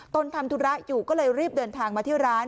ทำธุระอยู่ก็เลยรีบเดินทางมาที่ร้าน